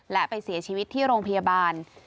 และไปเสียชีวิตที่โรงพยาบาล